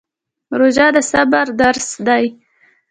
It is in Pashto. روژه د صبر درس دی